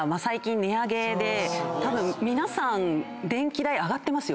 たぶん皆さん電気代上がってますよね？